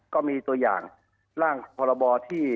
ก็มีตัวอย่างร่างพรบที่